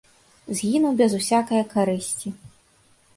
Згіну без усякае карысці.